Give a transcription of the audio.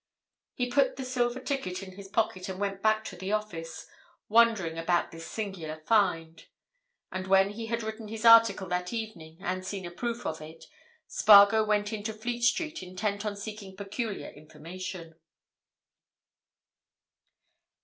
He put the silver ticket in his pocket, and went back to the office, wondering about this singular find. And when he had written his article that evening, and seen a proof of it, Spargo went into Fleet Street intent on seeking peculiar information.